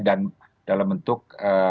dan dalam bentuk